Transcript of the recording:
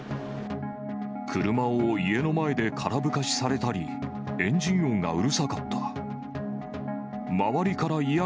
車を家の前で空吹かしされたり、エンジン音がうるさかった。